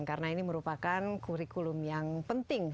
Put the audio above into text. karena ini merupakan kurikulum yang penting